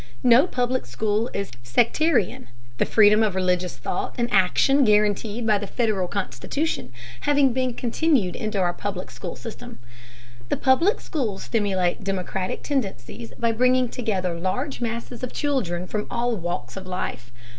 No public school is sectarian, the freedom of religious thought and action guaranteed by the Federal Constitution having been continued into our public school system. The public schools stimulate democratic tendencies by bringing together large masses of children from all walks of life.